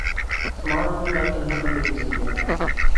smart phone آج کل ہر بندے کی ضرورت ہے